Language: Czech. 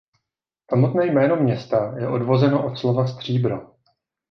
Samotné jméno města je odvozeno od slova stříbro.